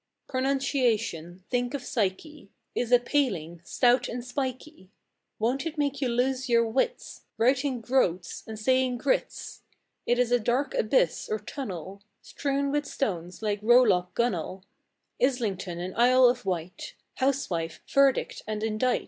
Pronunciation—think of psyche!— Is a paling, stout and spikey; Won't it make you lose your wits, Writing "groats" and saying groats? It's a dark abyss or tunnel, Strewn with stones, like rowlock, gunwale, Islington and Isle of Wight, Housewife, verdict and indict!